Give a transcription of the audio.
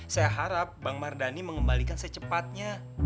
saya harap bang mardhani mengembalikan secepatnya